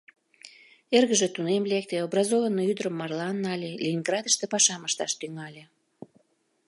Эргыже тунем лекте, образованный ӱдырым марлан нале, Ленинградыште пашам ышташ тӱҥале.